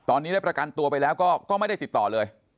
ตอนนี้ได้ประกันตัวไปแล้วก็ไม่ได้ติดต่อเลย